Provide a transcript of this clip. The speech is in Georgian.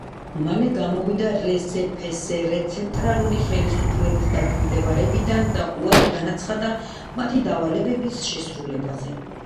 მალე გამოვიდა რსფსრ ცენტრალური ხელისუფლების დაქვემდებარებიდან და უარი განაცხადა მათი დავალებების შესრულებაზე.